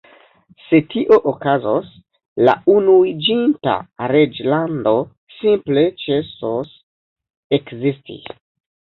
Se tio okazos, la Unuiĝinta Reĝlando simple ĉesos ekzisti.